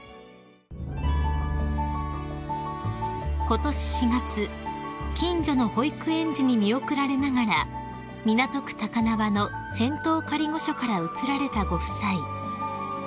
［ことし４月近所の保育園児に見送られながら港区高輪の仙洞仮御所から移られたご夫妻］